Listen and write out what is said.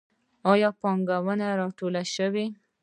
آیا پاټکونه ټول شوي؟